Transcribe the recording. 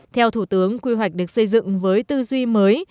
theo thủ tướng quy hoạch được xây dựng với tư duy mới